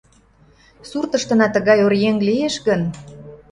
Суртыштына тыгай оръеҥ лиеш гын...